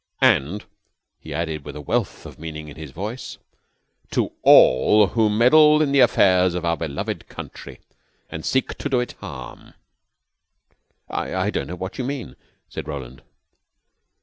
"And," he added with a wealth of meaning in his voice, "to all who meddle in the affairs of our beloved country and seek to do it harm." "I don't know what you mean," said Roland.